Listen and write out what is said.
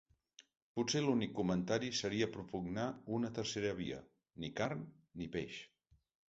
Potser l'únic comentari seria propugnar una tercera via: ni carn ni peix.